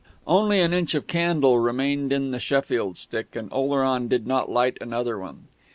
Only an inch of candle remained in the Sheffield stick, and Oleron did not light another one.